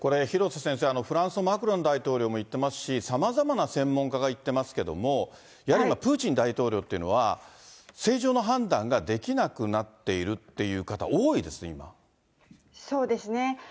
廣瀬先生、フランスのマクロン大統領もいってますし、さまざまな専門家が言ってますけれども、やはりプーチン大統領っていうのは、正常な判断ができなくなっているっていう方、そうですね。